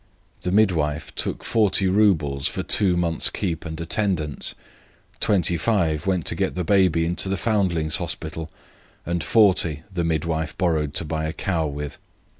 The midwife took 40 roubles for two months' board and attendance, 25 went to get the baby into the foundlings' hospital, and 40 the midwife borrowed to buy a cow with.